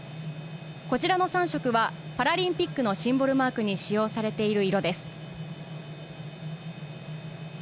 こちらの３色は、パラリンピックのシンボルマークに使用されている色です。